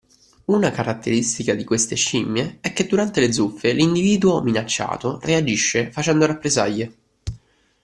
Una caratteristica di queste scimmie è che durante le zuffe l'individuo minacciato reagisce facendo rappresaglie.